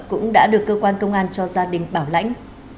cũng đã được cơ quan công an cho gia đình bảo lãnh